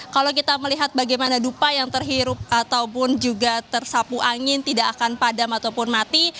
kalau kita melihat bagaimana dupa yang terhirup ataupun juga tersapu angin tidak akan padam ataupun mati